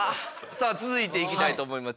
さあ続いていきたいと思います。